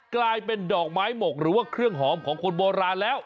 กลายเป็นดอกไม้หมกหรือว่าเครื่องหอมของคนโบราณแล้ว